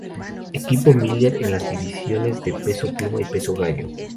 Equipo Miller en las divisiones de peso pluma y peso gallo.